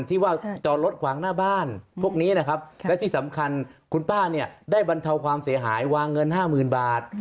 ที่ว่าจอดรถขวางหน้าบ้านพวกนี้นะครับและที่สำคัญคุณป้าเนี่ยได้บรรเทาความเสียหายวางเงิน๕๐๐๐บาท